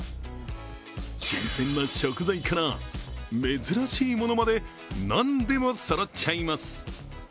新鮮な食材から珍しいものまで、何でもそろっちゃいます。